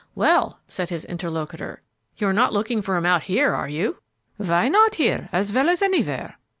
"Well," said his interlocutor, "you're not looking for 'em out here, are you?" "Why not here as well as anywhere?